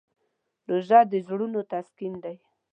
روژه د زړونو تسکین دی.